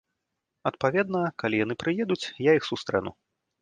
Адпаведна, калі яны прыедуць, я іх сустрэну.